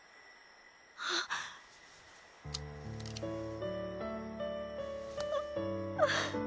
あっああ。